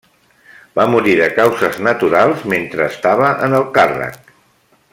Va morir de causes naturals, mentre estava en el càrrec.